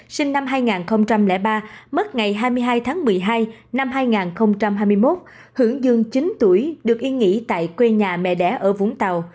sinh năm hai nghìn ba mất ngày hai mươi hai tháng một mươi hai năm hai nghìn hai mươi một hưởng dương chín tuổi được yên nghỉ tại quê nhà mẹ đẻ ở vũng tàu